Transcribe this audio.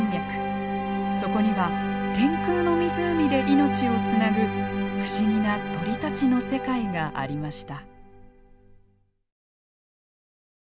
そこには天空の湖で命をつなぐ不思議な鳥たちの世界がありました。